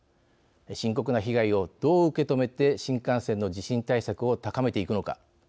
深刻な被害を、どう受け止めて新幹線の地震対策を高めていくのか。